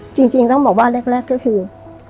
จริงต้องบอกว่าแรกก็คือ